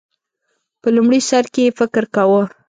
په لومړی سر کې یې فکر کاوه